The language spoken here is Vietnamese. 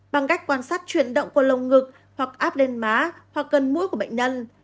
bằng cách quan sát chuyển động của lông ngực hoặc áp lên má hoặc gần mũi của bệnh nhân